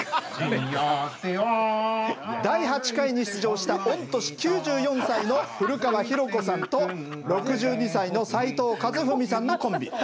第８回に出場した御年９４歳の古川活子さんと６２歳の齋藤和文さんのコンビ。